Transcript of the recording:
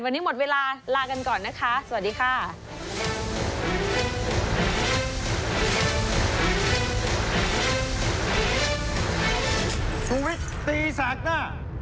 วันนี้หมดเวลาลากันก่อนนะคะสวัสดีค่ะ